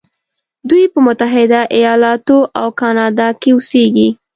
دوی په متحده ایلاتو او کانادا کې اوسیږي.